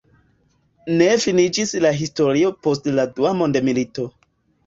Ne finiĝis la historio post la dua mondomilito.